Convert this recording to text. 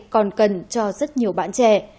còn cần cho rất nhiều bạn trẻ